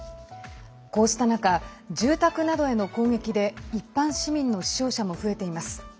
こうした中住宅などへの攻撃で一般市民の死傷者も増えています。